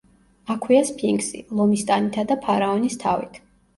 აქვეა სფინქსი, ლომის ტანითა და ფარაონის თავით.